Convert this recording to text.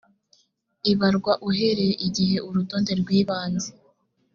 ibarwa uhereye igihe urutonde rw ibanze